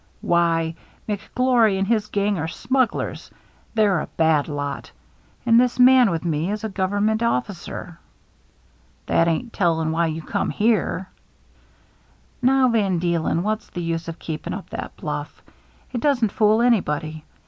Why, McGlory 332 THE MERRT ANNE and his gang are smugglers — they're a bad lot. And this man with me is a government officer." " That ain't telling why you come here J* " Now, Van Deelen, what's the use of keep ing up that bluff? It doesn't fool anybody.